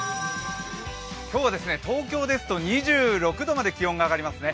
今日は東京ですと２６度まで気温が上がりますね。